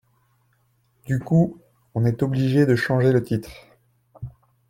Du coup, on est obligé de changer le titre.